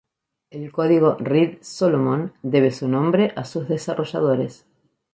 El código Reed-Solomon debe su nombre a sus desarrolladores.